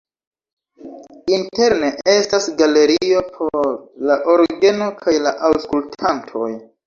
Interne estas galerio por la orgeno kaj la aŭskultantoj.